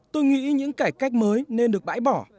tôi nghĩ những cải cách mới nên được bãi bỏ